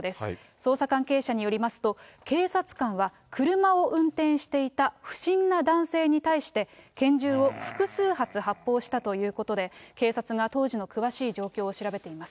捜査関係者によりますと、警察官は車を運転していた不審な男性に対して、拳銃を複数発発砲したということで、警察が当時の詳しい状況を調べています。